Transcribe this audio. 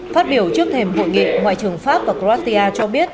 phát biểu trước thềm hội nghị ngoại trưởng pháp và croatia cho biết